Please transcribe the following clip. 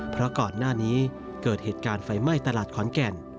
เพราะก่อนหน้านี้เกิดเหตุการณ์ไฟไหม้ตลาดขอนแก่น